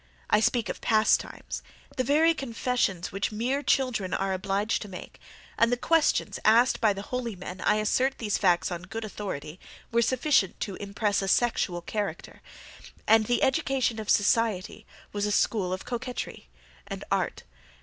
I speak of past times. The very confessions which mere children are obliged to make, and the questions asked by the holy men I assert these facts on good authority, were sufficient to impress a sexual character; and the education of society was a school of coquetry and art.